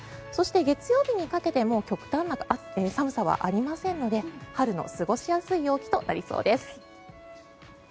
そして、月曜日にかけても極端な寒さはありませんので春の過ごしやすい陽気となりそうです。